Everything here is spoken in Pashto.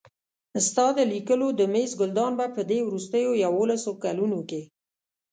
ستا د لیکلو د مېز ګلدان به په دې وروستیو یوولسو کلونو کې.